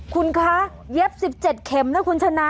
คุณคะเย็บ๑๗เข็มนะคุณชนะ